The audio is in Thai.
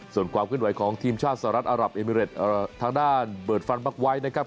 ส่วนความขึ้นไหวของทีมชาติสหรัฐอารับเอมิเรตทางด้านเบิร์ดฟันบักไว้นะครับ